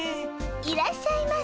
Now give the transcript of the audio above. いらっしゃいませ。